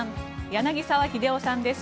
柳澤秀夫さんです。